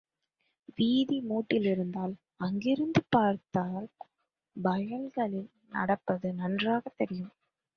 வீதி மேட்டிலிருந்ததால், அங்கிருந்து பார்த்தால் வயல்களில் நடப்பது நன்றாகத் தெரியும்.